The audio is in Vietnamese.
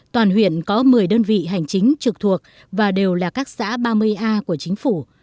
toàn huyện có một mươi đơn vị hành chính trực thuộc và đều là các xã ba mươi a của chính phủ